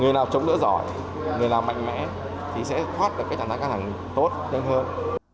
người nào chống lỡ giỏi người nào mạnh mẽ thì sẽ thoát được các trạng thái căng thẳng tốt đơn hơn